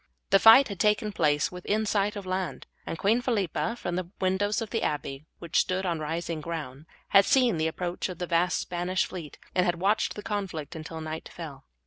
The fight had taken place within sight of land, and Queen Philippa, from the windows of the abbey, which stood on rising ground, had seen the approach of the vast Spanish fleet, and had watched the conflict until night fell.